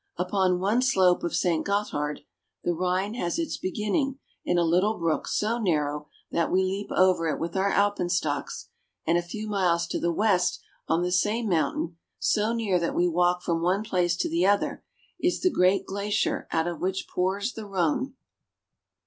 Upon one slope of Saint Gothard the Rhine has its begin ning in a little brook so narrow that we leap over it with our alpenstocks, and a few miles to the west on the same mountain, so near that we walk from one place to the other, is the great glacier out of which pours the Rhone.